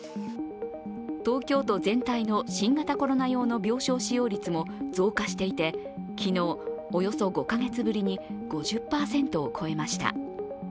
東京都全体の新型コロナ用の病床使用率も増加していて昨日、およそ５カ月ぶりに５０％を超えました。